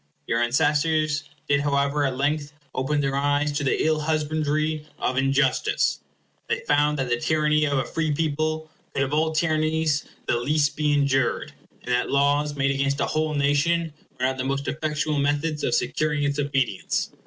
Your ancestors did however at length open their eyes to the ill husbandry of injustice. They found that the tyranny of a free people could of all tyrannies the least be endured, and that laws made against a whole nation were not the most effectual methods of securing its obedience.